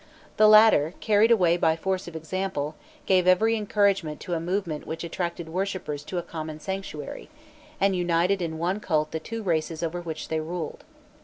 The latter, carried away by force of example, gave every encouragement to a movement which attracted worshippers to a common sanctuary, and united in one cult the two races over which they ruled.